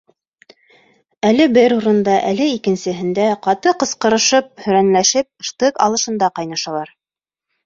Әле бер урында, әле икенсеһендә ҡаты ҡысҡырышып-һөрәнләшеп, штык алышында ҡайнашалар.